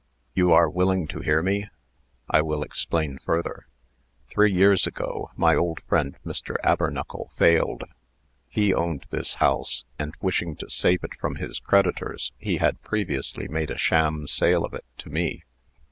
"You are willing to hear me? I will explain further. Three years ago, my old friend Mr. Abernuckle failed. He owned this house, and, wishing to save it from his creditors, he had previously made a sham sale of it to me.